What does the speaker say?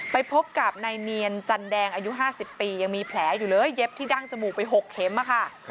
ไปพบกับนายเนียนจันแดงอายุ๕๐ปียังมีแผลอยู่เลยเย็บที่ดั้งจมูกไป๖เข็มค่ะ